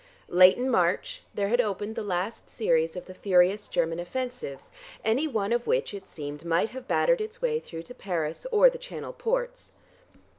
Late in March there had opened the last series of the furious German offensives, any one of which, it seemed, might have battered its way through to Paris or the Channel ports.